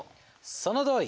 そのとおり！